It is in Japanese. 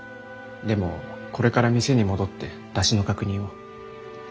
でもこれから店に戻って出汁の確認を。